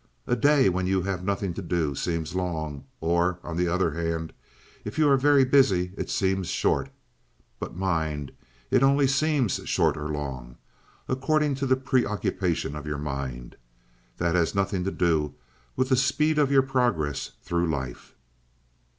A day when you have nothing to do seems long, or, on the other hand, if you are very busy it seems short. But mind, it only seems short or long, according to the preoccupation of your mind. That has nothing to do with the speed of your progress through life."